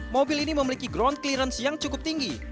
mobil ini memiliki ground clearance yang cukup tinggi